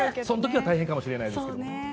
そのときは大変かもしれないけど。